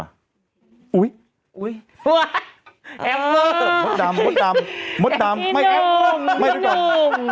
โอ๊ยโอ๊ยโอ๊ยโอ๊ยโอ๊ยโอ๊ยโอ๊ยโอ๊ยโอ๊ยโอ๊ยโอ๊ยโอ๊ยโอ๊ยโอ๊ยโอ๊ย